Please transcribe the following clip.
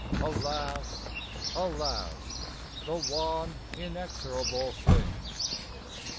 (Alas, alas, The one inexorable thing!)